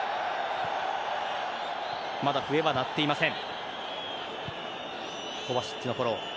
まだ笛は鳴っていません。